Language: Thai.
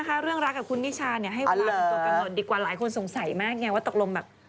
เรื่องรักกับคุณนิชาเนี่ยให้เวลาเป็นตัวกำหนดดีกว่าหลายคนสงสัยมากไงว่าตกลงแบบ